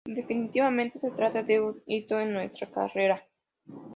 Definitivamente, se trata de un hito en nuestra carrera.